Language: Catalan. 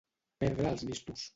Perdre els mistos.